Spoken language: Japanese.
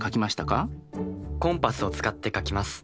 コンパスを使って描きます。